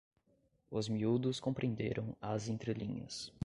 Os miúdos compreenderam as entrelinhas